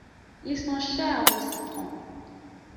Ils sont chers vos citrons.